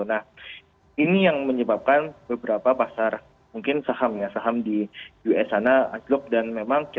nah ini yang menyebabkan beberapa pasar mungkin saham ya saham di us sana anjlok dan memang